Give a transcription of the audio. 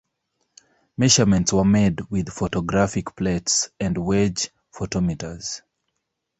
Measurements were made with photographic plates and wedge photometers.